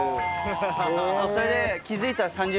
それで。